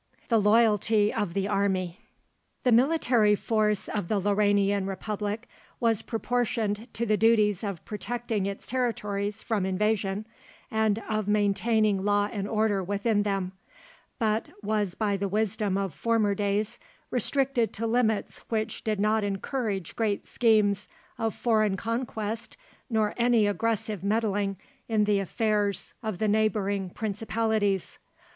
THE LOYALTY OF THE ARMY. The military force of the Lauranian Republic was proportioned to the duties of protecting its territories from invasion and of maintaining law and order within them, but was by the wisdom of former days restricted to limits which did not encourage great schemes of foreign conquest nor any aggressive meddling in the affairs of the neighbouring principalities.